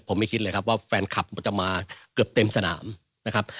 ผมไม่คิดเลยครับว่าแฟนคลับมันจะมาเกือบเต็มสนามนะครับ